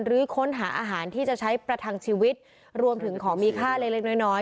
หรือค้นหาอาหารที่จะใช้ประทังชีวิตรวมถึงของมีค่าเล็กน้อยน้อย